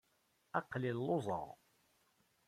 Aql-i lluẓeɣ.